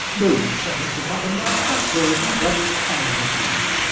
"Do," said Mr. Chaffanbrass. "That will be very kind of you.